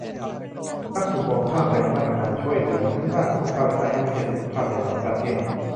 มักถูกมองข้ามไปในมาตรการช่วยเหลือ ทั้งด้านสุขภาพ และด้านที่ไม่ใช่สุขภาพ ในหลายประเทศ